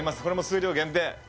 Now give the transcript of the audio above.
これも数量限定